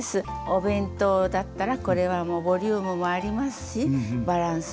お弁当だったらこれはボリュームもありますしバランスもよろしいの。